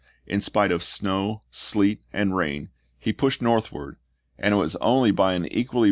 In spite of snow, sleet, and rain he pushed northward, and it was only by an equally Chap.